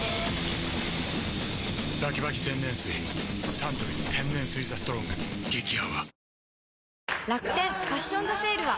サントリー天然水「ＴＨＥＳＴＲＯＮＧ」激泡